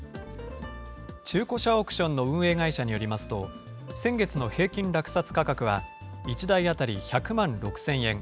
中古車オークションの運営会社によりますと、先月の平均落札価格は１台当たり１００万６０００円。